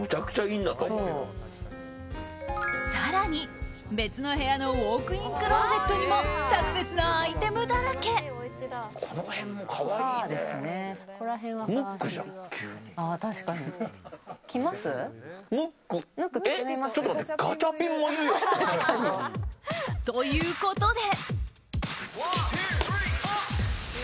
更に、別の部屋のウォークインクローゼットにもこの辺も可愛いね。ということで。